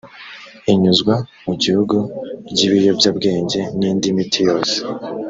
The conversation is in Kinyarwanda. inyuzwa mu gihugu ry’ibiyobyabwenge n’indi miti yose